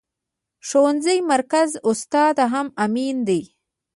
ښوونيز مرکز استاد هم امين دی.